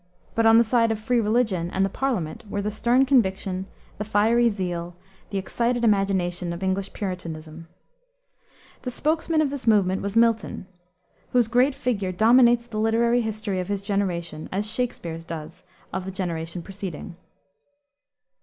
But on the side of free religion and the Parliament were the stern conviction, the fiery zeal, the excited imagination of English Puritanism. The spokesman of this movement was Milton, whose great figure dominates the literary history of his generation, as Shakspere's does of the generation preceding.